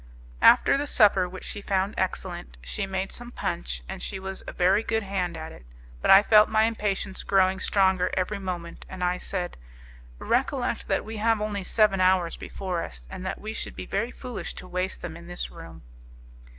After the supper, which she found excellent, she made some punch, and she was a very good hand at it. But I felt my impatience growing stronger every moment, and I said, "Recollect that we have only seven hours before us, and that we should be very foolish to waste them in this room."